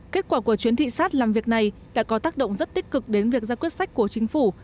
kết quả của chuyến thị sát làm việc này đã có tác động rất tích cực đến việc ra quyết sách của chính phủ